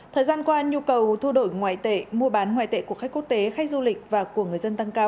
thời gian qua nhu cầu thu đổi ngoại tệ mua bán ngoại tệ của khách quốc tế khách du lịch và của người dân tăng cao